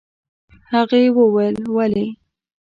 هغه وويل: ولې؟